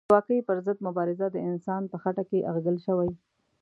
د بلواکۍ پر ضد مبارزه د انسان په خټه کې اغږل شوې.